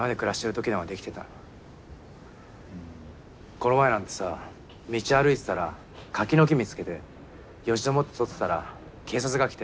この前なんてさ道歩いてたら柿の木見つけてよじ登って取ってたら警察が来て。